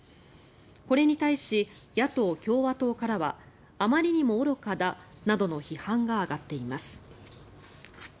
これに対し、野党・共和党からはあまりにも愚かだなどの批判が上がっています。